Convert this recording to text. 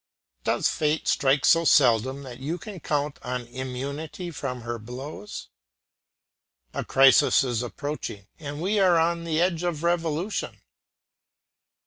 Does fate strike so seldom that you can count on immunity from her blows? The crisis is approaching, and we are on the edge of a revolution.